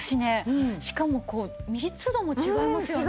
しかも密度も違いますよね。